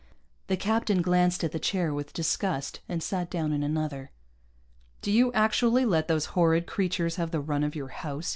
The captain glanced at the chair with disgust and sat down in another. "Do you actually let those horrid creatures have the run of your house?"